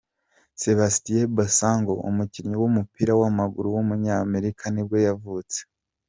Sébastien Bassong, umukinnyi w’umupira w’amaguru w’umunyakameruni nibwo yavutse.